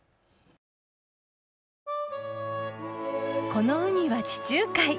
この海は地中海。